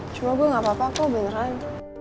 cuma gue gak apa apa kok bayaran